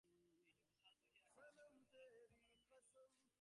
এইটুকু খাল বাহিয়া আসিতে দুজনের জন্য নন্দলাল নৌকা ভাড়া করিয়াছে দশজনের।